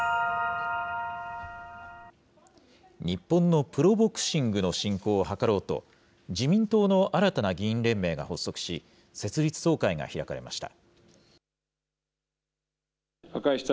日本のプロボクシングの振興を図ろうと、自民党の新たな議員連盟が発足し、設立総会が開かれました。